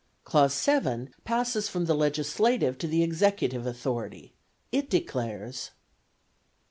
Clause 7 passes from the legislative to the executive authority; it declares: (1.)